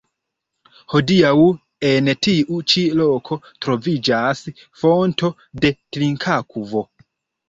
Hodiaŭ en tiu ĉi loko troviĝas fonto de trinkakvo.